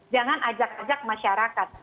jangan ajak ajak masyarakat